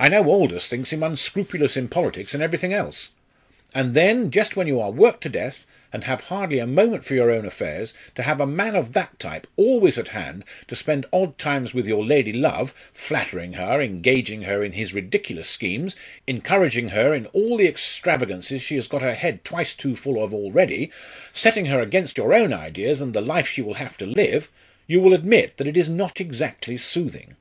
I know Aldous thinks him unscrupulous in politics and everything else. And then, just when you are worked to death, and have hardly a moment for your own affairs, to have a man of that type always at hand to spend odd times with your lady love flattering her, engaging her in his ridiculous schemes, encouraging her in all the extravagances she has got her head twice too full of already, setting her against your own ideas and the life she will have to live you will admit that it is not exactly soothing!"